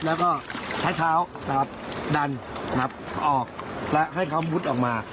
แล้วก็ให้เท้าตัดดันหลับออกและให้เขามุดออกมา